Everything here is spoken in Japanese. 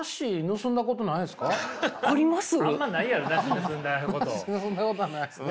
盗んだことはないですね。